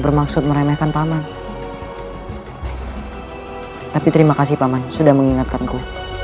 bermaksud meremehkan paman tapi terima kasih paman sudah mengingatkanku